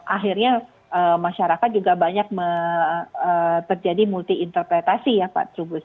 akhirnya masyarakat juga banyak terjadi multi interpretasi ya pak trubus